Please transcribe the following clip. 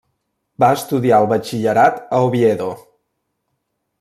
Va estudiar el batxillerat a Oviedo.